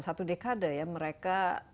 satu dekade ya mereka